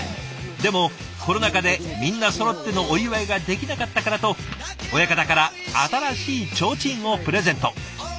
でもコロナ禍でみんなそろってのお祝いができなかったからと親方から新しい提灯をプレゼント。